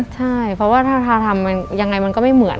ใช่เพราะว่าทาทำมันยังไงมันก็ไม่เหมือน